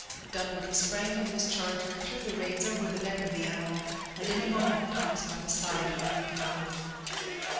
Dunwoodie sprang from his charger, threw the reins over the neck of the animal, and in a moment he was by the side of the weeping girl.